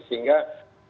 sehingga dari prosesnya